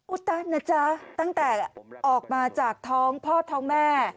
ตะนะจ๊ะตั้งแต่ออกมาจากท้องพ่อท้องแม่